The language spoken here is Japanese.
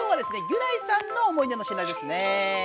ギュナイさんの思い出の品ですねえ。